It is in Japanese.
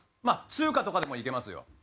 まあ中華とかでもいけますよ。